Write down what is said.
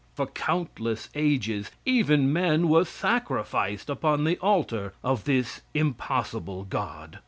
For countless ages, even men were sacrificed upon the altar of this impossible god.